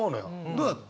どうだった？